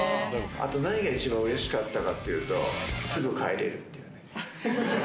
あと何が一番嬉しかったかというと、すぐ帰れるっていうね。